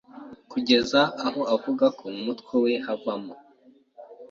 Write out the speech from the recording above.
kugeza aho avuga ko mu mutwe we havagamo